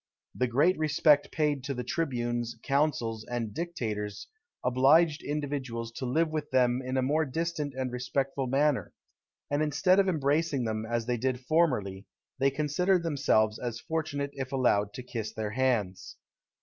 The great respect paid to the tribunes, consuls, and dictators, obliged individuals to live with them in a more distant and respectful manner; and instead of embracing them as they did formerly, they considered themselves as fortunate if allowed to kiss their hands.